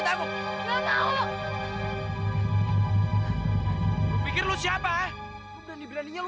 jadi jadi semua itu benar